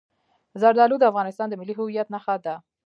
زردالو د افغانستان د ملي هویت نښه ده.